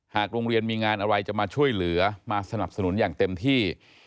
โรงเรียนมีงานอะไรจะมาช่วยเหลือมาสนับสนุนอย่างเต็มที่